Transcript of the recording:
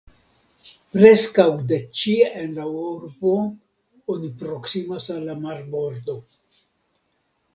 Preskaŭ de ĉie en la urbo oni proksimas al la marbordo.